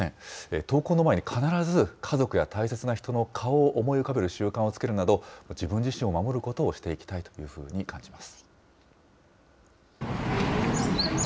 投稿の前に必ず家族や大切な人の顔を思い浮かべる習慣をつけるなど、自分自身を守ることをしていきたいというふうに感じます。